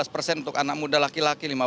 lima belas persen untuk anak muda laki laki